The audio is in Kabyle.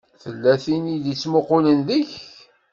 Tella tin i d-ittmuqqulen deg-k.